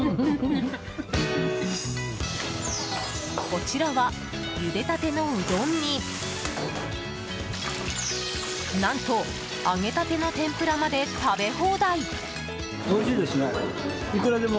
こちらは、ゆでたてのうどんに何と、揚げたての天ぷらまで食べ放題。